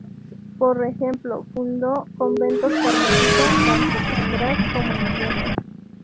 Por ejemplo, fundó conventos carmelitas, tanto en Graz como en Viena.